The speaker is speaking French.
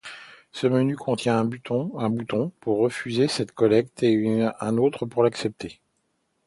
Ce menu contient un bouton pour refuser cette collecte et un autre pour l'accepter.